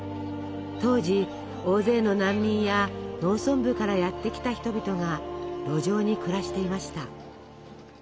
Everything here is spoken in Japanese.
当時大勢の難民や農村部からやって来た人々が路上に暮らしていました。